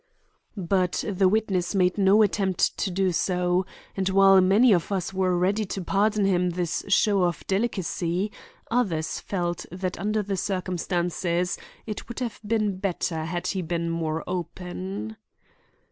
But the witness made no attempt to do so, and while many of us were ready to pardon him this show of delicacy, others felt that under the circumstances it would have been better had he been more open.